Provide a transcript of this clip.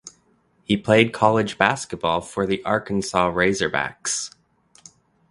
He played college basketball for the Arkansas Razorbacks.